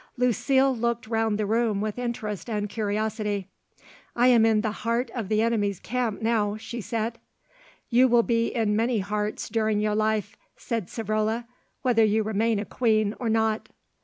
Lucile looked round the room with interest and curiosity. "I am in the heart of the enemy's camp now," she said. "You will be in many hearts during your life," said Savrola, "whether you remain a queen or not."